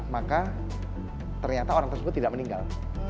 maka ternyata orang tersebut tidak meninggal